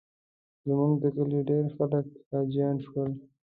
زموږ د کلي ډېر خلک حاجیان شول.